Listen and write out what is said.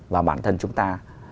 và bản thân chúng ta